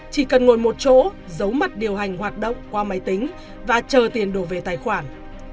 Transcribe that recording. chỉ cần ngồi một chỗ giấu mặt điều hành hoạt động qua máy tính và chờ tiền đổ về tài khoản